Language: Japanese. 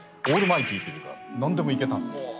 オールマイティというか何でもいけたんです。